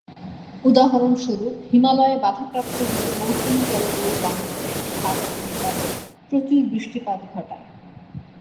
উদাহরণস্বরূপ, হিমালয়ে বাধাপ্রাপ্ত হয়ে মৌসুমী জলবায়ু বাংলাদেশ, ভারত ও নেপালে প্রচুর বৃষ্টিপাত ঘটায়।